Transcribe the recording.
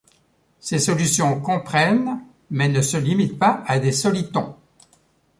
Ces solutions comprennent, mais ne se limitent pas à des solitons.